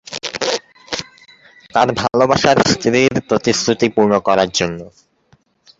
তার ভালবাসার স্ত্রীর প্রতিশ্রুতি পূর্ণ করার জন্য।